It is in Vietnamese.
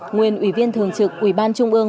nguyên ủy viên thường trực ủy ban trung ương